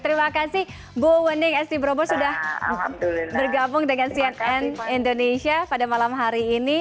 terima kasih bu wening sd brobo sudah bergabung dengan cnn indonesia pada malam hari ini